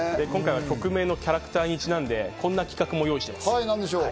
今回は曲名の『キャラクター』にちなんで、こんなものも用意しています。